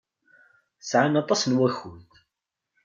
Sɛan aṭas n wakud.